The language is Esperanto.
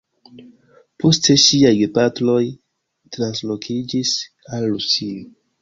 Poste ŝiaj gepatroj translokiĝis al Rusio.